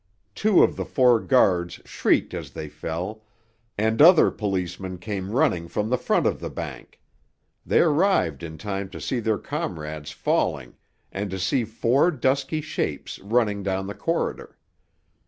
Two of the four guards shrieked as they fell, and other policemen came running from the front of the bank. They arrived in time to see their comrades falling and to see four dusky shapes running down the corridor.